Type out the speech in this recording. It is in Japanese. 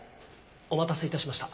お待たせ致しました。